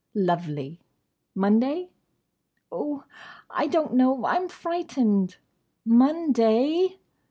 "Lovely!—Monday?" "Oh, I don't know. I'm frightened." "Monday?"